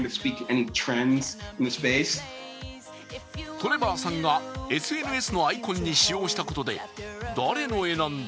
トレバーさんがＳＮＳのアイコンに使用したことで誰の絵なんだ？